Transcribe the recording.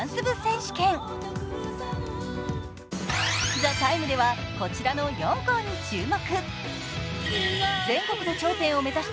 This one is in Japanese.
「ＴＨＥＴＩＭＥ，」ではこちらの４校に注目。